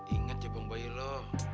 inget si pembayu lo